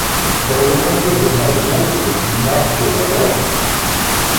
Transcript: Dans le comté de Mayo, le climat fait la loi.